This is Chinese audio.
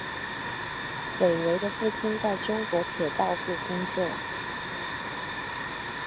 韦唯的父亲在中国铁道部工作。